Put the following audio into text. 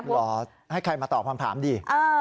เหรอให้ใครมาตอบคำถามดิ